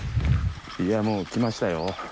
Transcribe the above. いやもう来ましたよ。